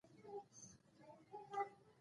بلکې د دیکتاتورۍ په څېر ناوړه سیاسي پدیدې زېږوي.